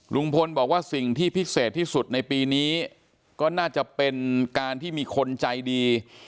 ลุงพลบอกว่าสิ่งที่พิเศษที่สุดในปีนี้ก็น่าจะเป็นการที่มีคนใจดี